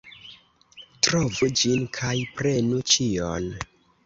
Trovu ĝin kaj prenu ĉion!